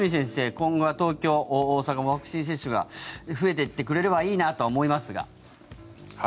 今後は東京、大阪もワクチン接種が増えていってくれればいいなとは思いますが。